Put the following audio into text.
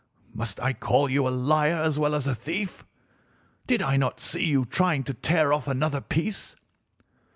Must I call you a liar as well as a thief? Did I not see you trying to tear off another piece?